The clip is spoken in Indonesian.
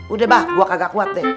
udah bah gue kagak kuat deh